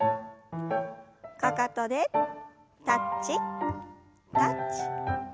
かかとでタッチタッチ。